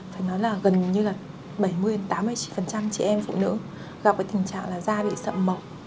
phần trăm trẻ em phụ nữ gặp tình trạng da bị sậm mọc